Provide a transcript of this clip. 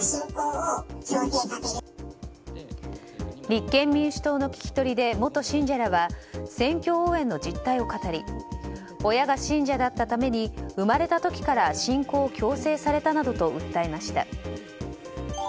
立憲民主党の聞き取りで元信者らは選挙応援の実態を語り親が信者だったために生まれら時から信仰を強制されたなどと訴えました。